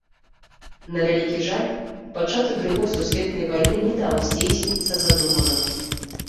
На вялікі жаль, пачатак другой сусветнай вайны не даў здзейсніцца задуманаму.